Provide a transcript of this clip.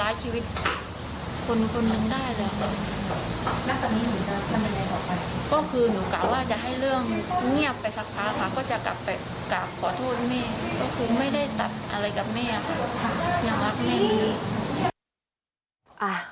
ก็คือไม่ได้ตัดอะไรกับแม่ค่ะยังรักแม่เลย